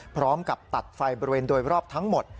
พร้อมกับตัดไฟบริเวณโดยรอบทั้งหมด